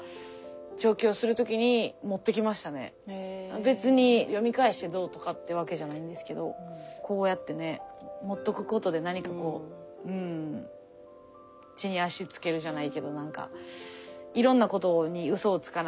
別に読み返してどうとかってわけじゃないんですけどこうやってね持っとくことで何かこううん地に足つけるじゃないけどなんかいろんなことにそうですね。